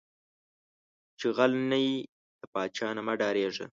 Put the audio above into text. چې غل نۀ یې، لۀ پاچا نه مۀ ډارېږه